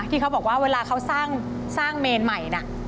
เขาบอกว่าเวลาเขาสร้างเมนใหม่นะ